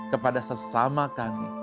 kepada sesama sama kami